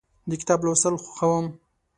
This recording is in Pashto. د کتاب لوستل خوښوم.